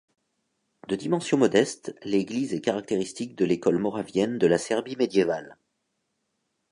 De dimension modeste, l'église est caractéristique de l'école moravienne de la Serbie médiévale.